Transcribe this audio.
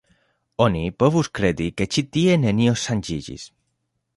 Oni povus kredi, ke ĉi tie nenio ŝanĝiĝis.